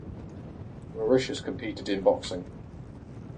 Mauritius competed in boxing.